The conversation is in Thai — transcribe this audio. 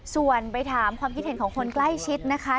ส่วนไปถามความคิดเห็นของคนใกล้ชิดนะคะ